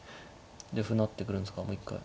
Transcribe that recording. で歩成ってくるんですかもう一回。